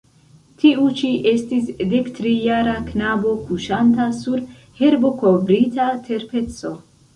Tiu ĉi estis dektrijara knabo, kuŝanta sur herbokovrita terpeco.